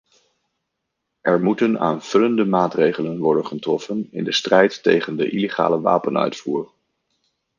Er moeten aanvullende maatregelen worden getroffen in de strijd tegen de illegale wapenuitvoer.